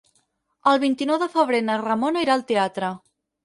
El vint-i-nou de febrer na Ramona irà al teatre.